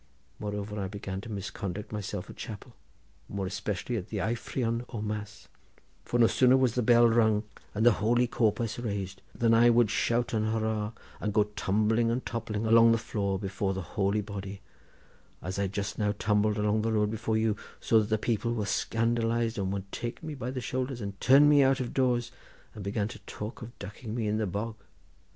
Moreover, I began to misconduct myself at chapel, more especially at the Aifrionn or Mass, for no sooner was the bell rung, and the holy corpus raised, than I would shout and hoorah, and go tumbling and toppling along the floor before the holy body, as I just now tumbled along the road before you, so that the people were scandalised, and would take me by the shoulders and turn me out of doors, and began to talk of ducking me in the bog.